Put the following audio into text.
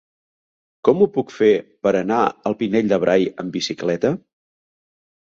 Com ho puc fer per anar al Pinell de Brai amb bicicleta?